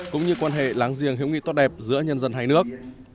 cũng như quan hệ láng giềng hữu nghị tốt đẹp giữa nhân dân hai nước